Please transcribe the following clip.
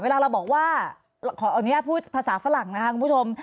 เวลาเราบอกว่าขออนุญาตพูดภาษาฝรั่งนะคะคุณผู้ชม